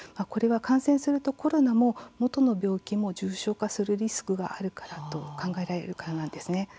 これは感染すると、コロナももとの病気も重症化するリスクがあるからと考えられるからなんですね。